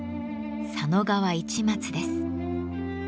佐野川市松です。